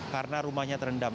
karena rumahnya terendam